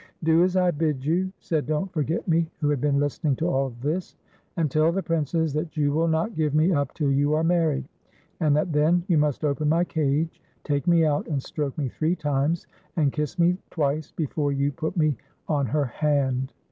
" Do as I bid you," said Don't Forget Me, who had been listening to all this, " and tell the Princess that you will not give me up till you are married ; and that then you must open my cage, take me out and stroke me three times, and kiss me twice, before you put me on her hand."